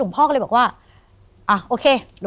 โปรดติดตามต่อไป